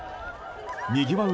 にぎわう